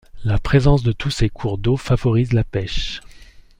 La présence de tous ces cours d’eau favorise la pêche.